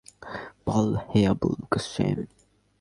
বলল, হে আবুল কাসেম!